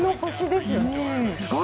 すごい。